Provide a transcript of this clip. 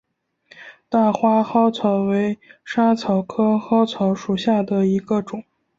大花嵩草为莎草科嵩草属下的一个种。